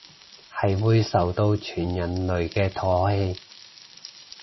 係會受到全人類嘅唾棄